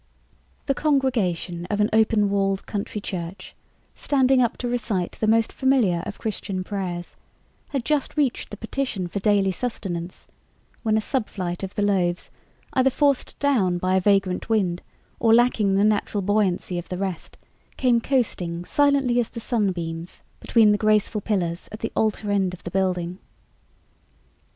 The congregation of an open walled country church, standing up to recite the most familiar of Christian prayers, had just reached the petition for daily sustenance, when a sub flight of the loaves, either forced down by a vagrant wind or lacking the natural buoyancy of the rest, came coasting silently as the sunbeams between the graceful pillars at the altar end of the building.